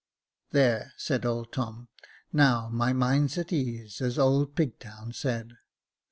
"There," said old Tom, "now my mind's at ease, as old Pigtown said."